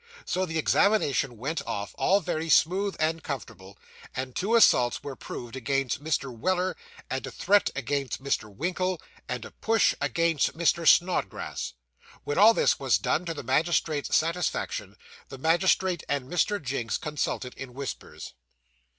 So the examination went off, all very smooth and comfortable, and two assaults were proved against Mr. Weller, and a threat against Mr. Winkle, and a push against Mr. Snodgrass. When all this was done to the magistrate's satisfaction, the magistrate and Mr. Jinks consulted in whispers.